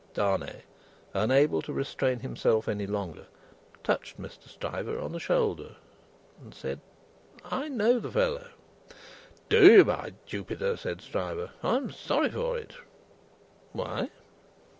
Darnay, unable to restrain himself any longer, touched Mr. Stryver on the shoulder, and said: "I know the fellow." "Do you, by Jupiter?" said Stryver. "I am sorry for it." "Why?"